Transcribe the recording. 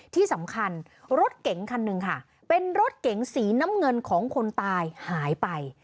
ที่สำคัญรถเก๋งคันหนึ่งค่ะเป็นรถเก๋งสีน้ำเงินของคนตายหายไป